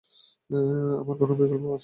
আমার কোনও বিকল্প পথ ছিল না।